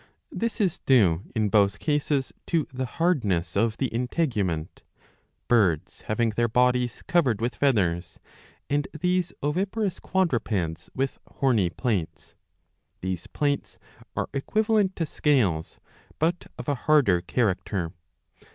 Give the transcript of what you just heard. This is due in both cases to the hardness ^^ of the integument ; birds having their bodies covered with feathers, and these oviparous quadrupeds with horny plates. These plates are equivalent to scales, but of a harder character.